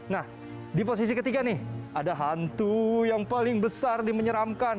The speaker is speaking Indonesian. nah di posisi ketiga nih ada hantu yang paling besar dimenyeramkan